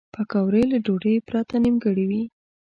پکورې له ډوډۍ پرته نیمګړې وي